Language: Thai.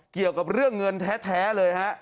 เกี่ยวกับเรื่องเงินแท้เลยฮะ